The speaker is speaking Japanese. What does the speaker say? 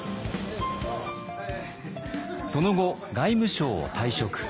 その後外務省を退職。